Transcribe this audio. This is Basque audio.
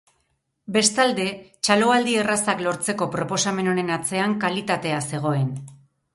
Bestalde, txaloaldi errazak lortzeko proposamen honen atzean kalitatea zegoen.